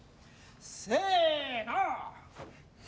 せの！